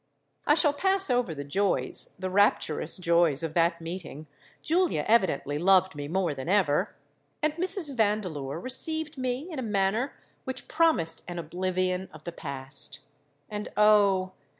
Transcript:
I shall pass over the joys—the rapturous joys of that meeting. Julia evidently loved me more than ever; and Mrs. Vandeleur received me in a manner which promised an oblivion of the past. And, oh!